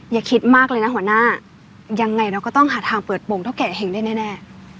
อย่าคิดมากเลยนะหัวหน้ายังไงเราก็ต้องหาทางเปิดโปรงเท่าแก่เห็งได้แน่